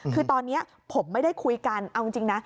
คือตอนนี้ผมไม่ได้คุยกันเอาจริงนะ